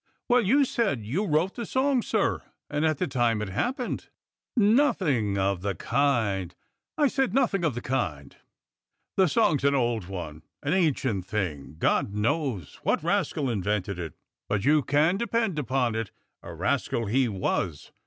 "Well, you said you wrote the song, sir, and at the time it happened." "Nothing of the kind — I said nothing of the kind. The song's an old one, an ancient thing. God knows what rascal invented it, but you can depend upon it, a rascal he was.